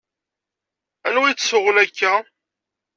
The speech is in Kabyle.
Anwa yettsuɣun akka?